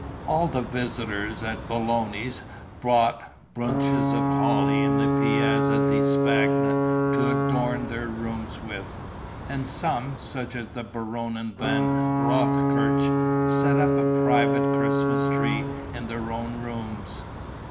All the visitors at Belloni's bought bunches of holly in the Piazza di Spagna to adorn their rooms with; and some, such as the Baronin van Rothkirch, set up a private Christmas tree in their own rooms.